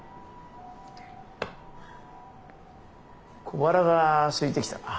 小腹がすいてきたな。